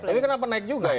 tapi kenapa naik juga ya